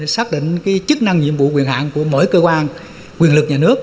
xác định cái chức năng nhiệm vụ quyền hạng của mỗi cơ quan quyền lực nhà nước